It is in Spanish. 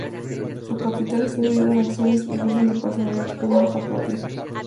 Su capital está dividido en acciones y gozan de personalidad jurídica propia.